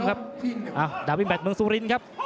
เอ้าดาร์วินแบบเมืองซูลินครับ